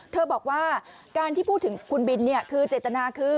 บอกว่าการที่พูดถึงคุณบินคือเจตนาคือ